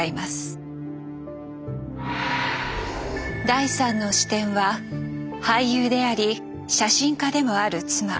第３の視点は俳優であり写真家でもある妻